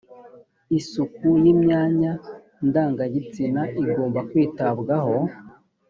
isuku y ‘imyanya ndangagitsina igomba kwitabwaho.